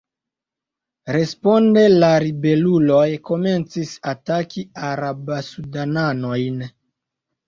Responde la ribeluloj komencis ataki araba-sudananojn.